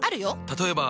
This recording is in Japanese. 例えば。